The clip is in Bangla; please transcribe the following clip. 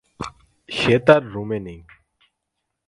সে তার রূমে নেই।